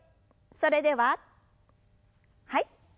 それでははい。